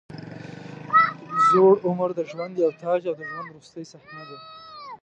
زوړ عمر د ژوند یو تاج او د ژوند وروستۍ صحنه ده.